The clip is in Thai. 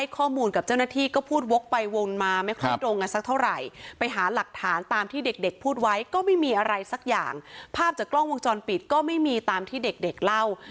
คือมันอันตรายกว่าสมัยเราค่ะ